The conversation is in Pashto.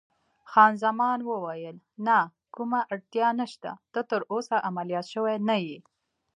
خان زمان وویل: نه، کومه اړتیا نشته، ته تراوسه عملیات شوی نه یې.